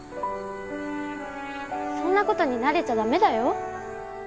そんなことに慣れちゃ駄目だよ